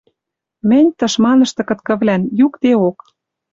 Мӹнь, тышманышты кыткывлӓн, юкдеок.